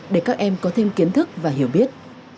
để các em có thêm kiến thức và hiểu biết